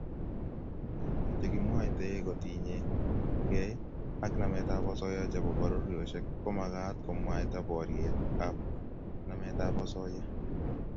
Kandoik chekimwoitoe kotinyekei ak nametab osoya chebo pororiosiek komagat komwaita borietb nametab osoya